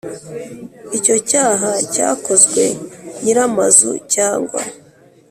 Icyo cyaha cyakozwe ny ir amazu cyangwa